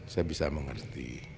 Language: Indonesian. saya bisa mengerti